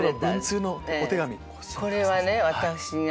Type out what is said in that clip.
これはね私が。